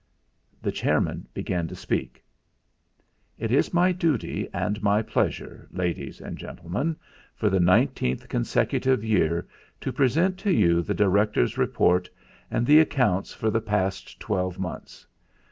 The chairman began to speak: "It is my duty and my pleasure,' ladies and gentlemen, for the nineteenth consecutive year to present to you the directors' report and the accounts for the past twelve months.